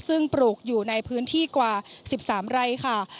ซึ่งปลูกอยู่ในพื้นที่กว่า๑๓ไร่ค่ะ